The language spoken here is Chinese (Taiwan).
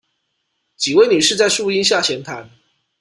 幾位女士在樹陰下閒談